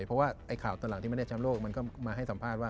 เพราะว่าไอ้ข่าวตอนหลังที่ไม่ได้แชมป์โลกมันก็มาให้สัมภาษณ์ว่า